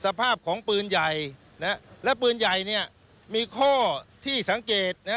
สภาพของปืนใหญ่และปืนใหญ่เนี่ยมีข้อที่สังเกตนะฮะ